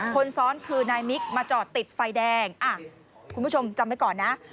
คนซ้อนคือนายมิกมาจอดติดไฟแดงคุณผู้ชมจำไว้ก่อนนะ